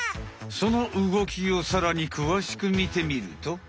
その動きをさらにくわしくみてみると。